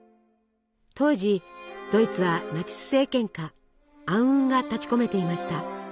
当時ドイツはナチス政権下暗雲が立ちこめていました。